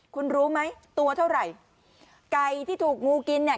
คุณรู้ไหมตัวเท่าไหร่ไก่ที่ถูกงูกินเนี่ย